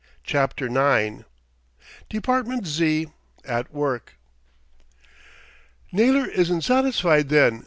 CHAPTER IX DEPARTMENT Z. AT WORK "Naylor isn't satisfied then."